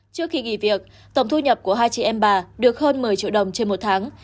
trước khi nghỉ việc tổng thu nhập của hai chị em bà được hơn một mươi triệu đồng trên một tháng